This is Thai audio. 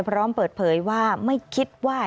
พร้อมเปิดเผยว่าไม่คิดว่า